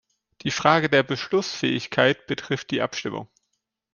Die Frage der Beschlussfähigkeit betrifft die Abstimmung.